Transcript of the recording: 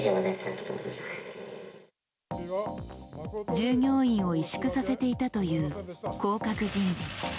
従業員を委縮させていたという降格人事。